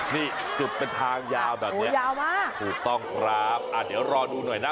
นี่จุดเป็นทางยาวแบบเนี้ยยาวมากถูกต้องครับอ่าเดี๋ยวรอดูหน่อยนะ